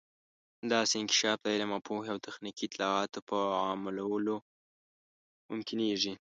داسې انکشاف د علم او پوهې او تخنیکي اطلاعاتو په عامولو ممکنیږي.